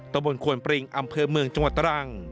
ตะบนควนปริงอำเภอเมืองจังหวัดตรัง